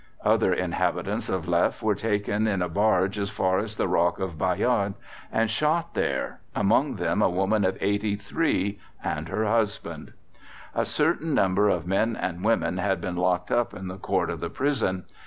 Other inhabitants of Leffe were taken in a barge as far as the rock of Bayard and shot there, among them a woman of 83 and her husband. A certain number of men and women had been locked up in the Court of the Prison.